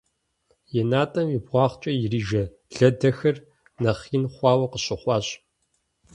И натӀэм и бгъуагъкӀэ ирижэ лэдэхыр нэхъ ин хъуауэ къыщыхъуащ.